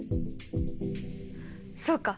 そうか。